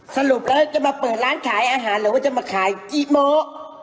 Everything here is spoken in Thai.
สรุปแล้วจะมาเปิดร้านขายอาหารหรือว่าจะมาขายจีโมะ